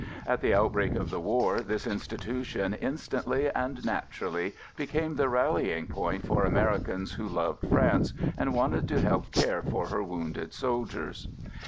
At the outbreak of the war this institution instantly and naturally became the rallying point for Americans who loved France and wanted to help care for her wounded soldiers.